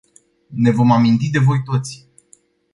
Ne vom aminti de voi toți.